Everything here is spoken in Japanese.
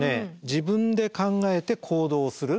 自分で考えて行動する。